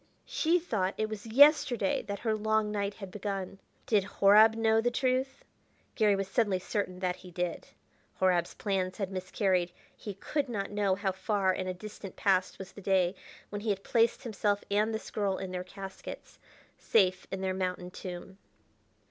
She thought it was yesterday that her long night had begun. Did Horab know the truth? Garry was suddenly certain that he did. Horab's plans had miscarried; he could not know how far in a distant past was that day when he had placed himself and this girl in their caskets, safe in their mountain tomb.